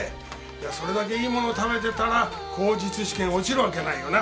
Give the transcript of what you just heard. それだけいいものを食べてたら口述試験落ちるわけないよな。